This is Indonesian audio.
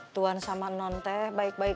tuan sama non teh baik baik